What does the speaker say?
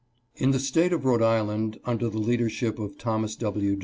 IN the State of Rhode Island, under the leadership of Thomas W.